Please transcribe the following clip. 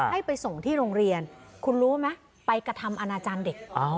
ให้ไปส่งที่โรงเรียนคุณรู้ไหมไปกระทำอนาจารย์เด็ก